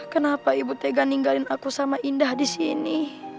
kenapa ibu tega ninggalin aku sama indah di sini